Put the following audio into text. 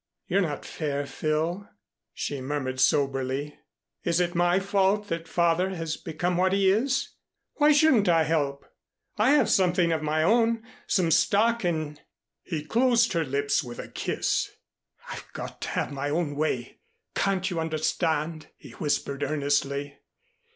"You're not fair, Phil," she murmured soberly. "Is it my fault that father has become what he is? Why shouldn't I help? I have something of my own some stock in " He closed her lips with a kiss. "I've got to have my own way. Can't you understand?" he whispered earnestly.